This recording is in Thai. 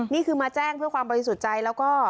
นี่คือมาแจ้งเพื่อความโปรดศุริสุขใจแล้วก็